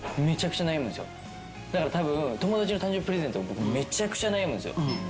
友達の誕生日プレゼントも僕めちゃくちゃ悩むんすよ。